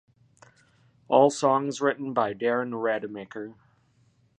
All songs written by Darren Rademaker.